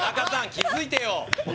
気づいてよ。